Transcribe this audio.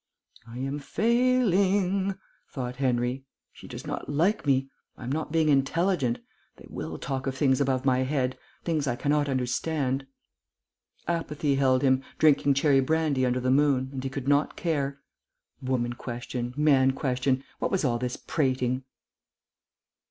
"I am failing," thought Henry. "She does not like me. I am not being intelligent. They will talk of things above my head, things I cannot understand." Apathy held him, drinking cherry brandy under the moon, and he could not care. Woman question? Man question? What was all this prating?